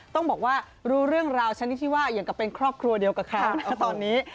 ต้องบอกว่ารู้เรื่องราวชนิดที่ว่าอย่างกับเป็นครอบครัวเดียวกับเขาตอนนี้